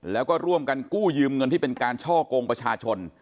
แล้วก็ร่วมกันกู้ยืมเงินที่เป็นการช่อกงประชาชน